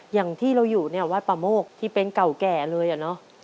อย่างที่เราอยู่เนี่ยวัดป่าโมกที่เป็นเก่าแก่เลยอะเนาะ